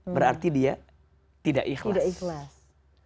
berarti dia tidak ikhlas